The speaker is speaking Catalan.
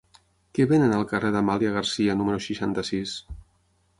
Què venen al carrer d'Amàlia Garcia número seixanta-sis?